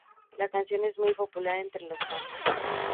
La canción es muy popular entre los fans.